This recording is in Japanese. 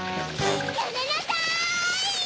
やめなさい！